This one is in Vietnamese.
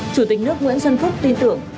chủ tịch nước nguyễn xuân phúc tin tưởng